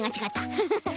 フフフ。